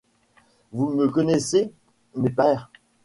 Vous me connaissez, mes pères ?